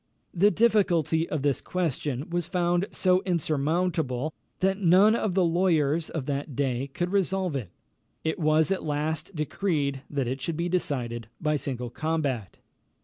The difficulty of this question was found so insurmountable, that none of the lawyers of that day could resolve it. It was at last decreed that it should be decided by single combat.